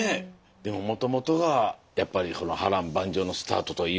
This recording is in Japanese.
でももともとがやっぱり波乱万丈のスタートといいますか。